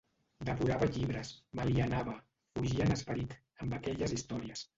Devorava llibres; m'alienava, fugia en esperit, amb aquelles històries.